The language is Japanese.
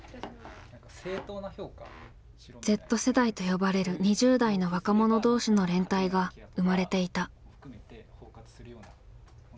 「Ｚ世代」と呼ばれる２０代の若者同士の連帯が生まれていた。